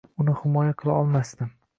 Uni himoya qila olmasdim.